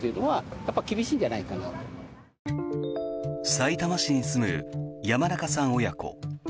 さいたま市に住む山中さん親子。